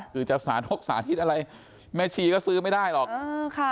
คือจะสาธกสาธิตอะไรแม่ชีก็ซื้อไม่ได้หรอก